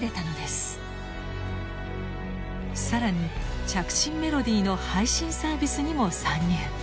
更に着信メロディーの配信サービスにも参入。